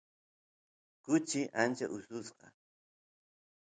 kuchi ancha ususqa